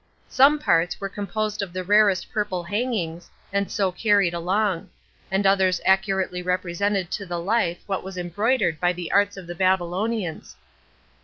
Some parts were composed of the rarest purple hangings, and so carried along; and others accurately represented to the life what was embroidered by the arts of the Babylonians.